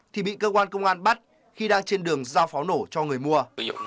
thì bị cơ quan công an bắt khi đang trên đường giao pháo nổ cho người mua